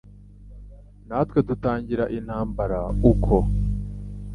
natwe dutangira intambara uko,